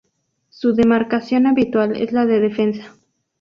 Su demarcación habitual es la de defensa.